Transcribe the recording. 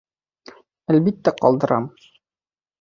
Әлбиттә, ҡалдырам.